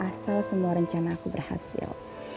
asal semua rencana aku berhasil